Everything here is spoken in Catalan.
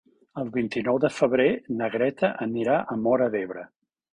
El vint-i-nou de febrer na Greta anirà a Móra d'Ebre.